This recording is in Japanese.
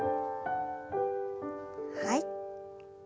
はい。